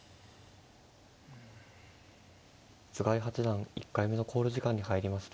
菅井八段１回目の考慮時間に入りました。